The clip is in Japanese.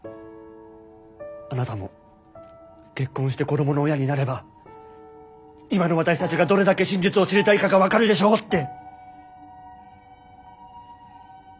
「あなたも結婚して子供の親になれば今の私たちがどれだけ真実を知りたいかが分かるでしょう」って。